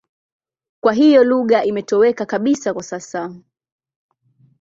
Kwa hiyo lugha imetoweka kabisa kwa sasa.